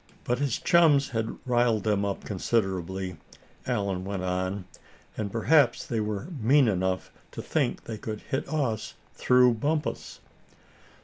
"But his chums had riled them up considerably," Allan went on, "and perhaps they were mean enough to think they could hit us, through Bumpus."